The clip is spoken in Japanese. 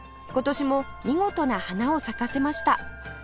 今年も見事な花を咲かせました